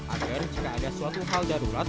agar jika ada suatu hal darurat